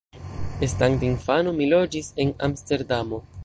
Estante infano mi loĝis en Amsterdamo.